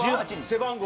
背番号は？